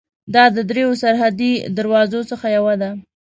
دا د درېیو سرحدي دروازو څخه یوه ده.